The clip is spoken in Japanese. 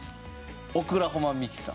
『オクラホマミキサー』。